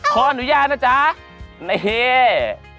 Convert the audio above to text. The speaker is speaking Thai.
พออนุญาตนะจ๊ะน่าเฮีย